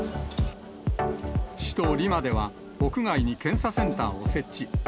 首都リマでは、屋外に検査センターを設置。